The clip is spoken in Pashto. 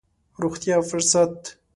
روغتيا او فرصت.